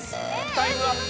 タイムアップ。